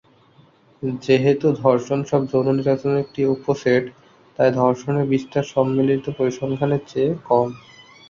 যেহেতু ধর্ষণ সব যৌন নির্যাতনের একটি উপসেট, তাই ধর্ষণের বিস্তার সম্মিলিত পরিসংখ্যানের চেয়ে কম।